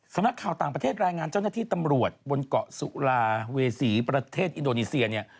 นักข่าวต่างประเทศรายงานเจ้าหน้าที่ตำรวจบนเกาะสุราเวษีประเทศอินโดนีเซียเนี่ย